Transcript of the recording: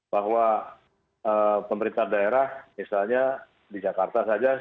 bahwa pemerintah daerah misalnya di jakarta saja sudah mengatakan